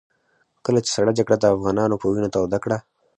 کله چې سړه جګړه د افغانانو په وينو توده کړه.